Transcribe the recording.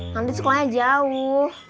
nanti sekolahnya jauh